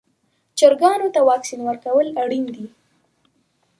چرګانو ته واکسین ورکول اړین دي.